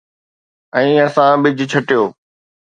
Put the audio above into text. ۽ اسان ٻج ڇٽيو.